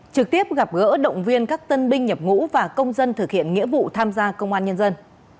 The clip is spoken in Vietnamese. trực tiếp gặp gỡ động viên các tân binh nhập ngũ và công dân thực hiện nghĩa vụ tham gia công an nhân dân